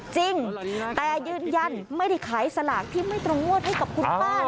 จริงแต่ยืนยันไม่ได้ขายสลากที่ไม่ตรงงวดให้กับคุณป้า